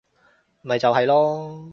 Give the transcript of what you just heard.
咪就係囉